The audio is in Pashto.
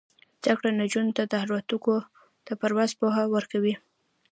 زده کړه نجونو ته د الوتکو د پرواز پوهه ورکوي.